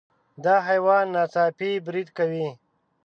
دا حیوان ناڅاپي برید کوي.